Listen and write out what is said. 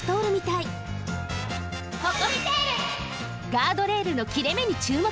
ガードレールのきれめに注目！